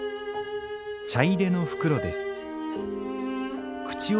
茶入れの袋です。